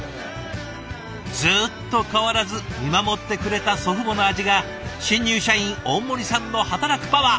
ずっと変わらず見守ってくれた祖父母の味が新入社員大森さんの働くパワー。